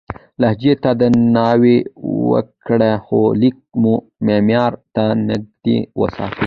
لهجې ته درناوی وکړئ، خو لیک مو معیار ته نږدې وساتئ.